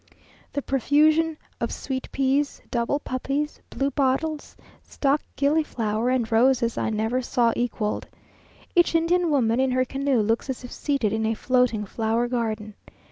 The profusion of sweet peas, double poppies, bluebottles, stock gillyflower, and roses, I never saw equalled. Each Indian woman in her canoe looks as if seated in a floating flower garden.